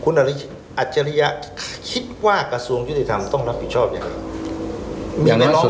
คุณอัจฉริยะคิดว่ากระทรวงยุติธรรมต้องรับผิดชอบอย่างไร